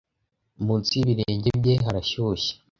munsi y'ibirenge bye harashyushye